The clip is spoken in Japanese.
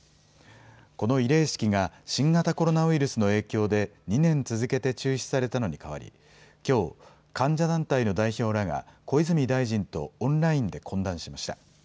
この慰霊式が新型コロナウイルスの影響で２年続けて中止されたのに代わりきょう、患者団体の代表らが小泉大臣とオンラインで懇談しました。